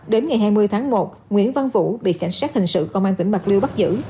đến ngày hai mươi tháng một nguyễn văn vũ bị cảnh sát hình sự công an tỉnh bạc liêu bắt giữ